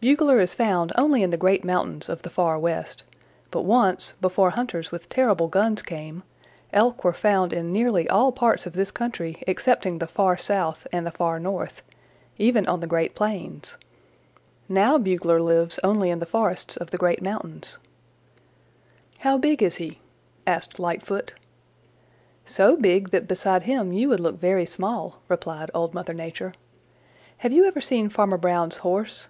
"Bugler is found only in the great mountains of the Far West, but once, before hunters with terrible guns came, Elk were found in nearly all parts of this country excepting the Far South and the Far North even on the great plains. Now Bugler lives only in the forests of the great mountains." "How big is he?" asked Lightfoot. "So big that beside him you would look very small," replied Old Mother Nature. "Have you ever seen Farmer Brown's Horse?"